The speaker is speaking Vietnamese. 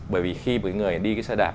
bởi vì khi một người đi xe đạp